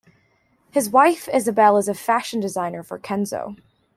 His wife Isabelle is a fashion designer for Kenzo.